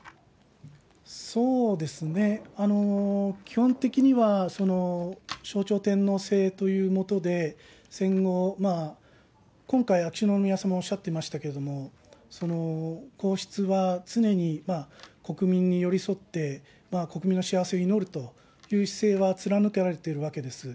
そうですね、基本的には、その象徴天皇制という下で、戦後、今回、秋篠宮さまがおっしゃっていましたけれども、皇室は常に国民に寄り添って、国民の幸せを祈るという姿勢は貫かれてるわけです。